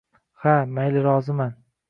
Ha, mayli roziman